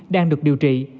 đang được điều trị